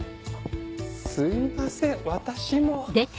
すいません私も。